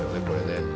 これね。